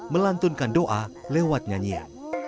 melantunkan doa lewat nyanyian